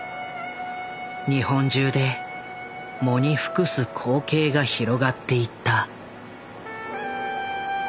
日本中で喪に服す光景が広がっていった。